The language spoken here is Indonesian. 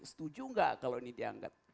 setuju nggak kalau ini dianggap